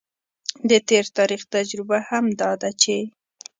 د تیر تاریخ تجربه هم دا ده چې